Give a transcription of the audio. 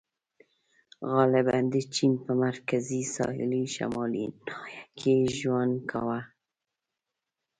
• غالباً د چین په مرکزي ساحلي شمالي ناحیه کې یې ژوند کاوه.